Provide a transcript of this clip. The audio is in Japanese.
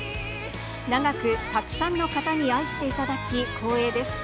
長くたくさんの方に愛していただき光栄です。